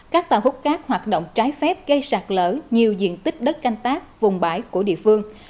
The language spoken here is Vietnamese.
các tàu hút cát hoạt động trái phép gây sạt lở nhiều diện tích đất canh tác vùng bãi của địa phương